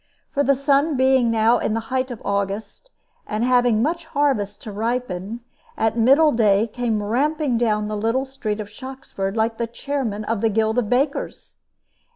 For the sun being now in the height of August, and having much harvest to ripen, at middle day came ramping down the little street of Shoxford like the chairman of the guild of bakers.